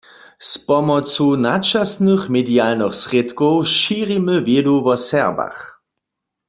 Z pomocu načasnych medialnych srědkow šěrimy wědu wo Serbach.